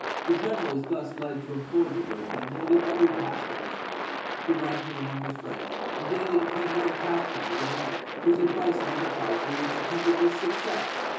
The general was thus led to employ Ju gurtha in nearly every task of difficulty ; he ranked him among his friends, and daily became more attached to him as a man whose advice and enterprise were ever attended with success.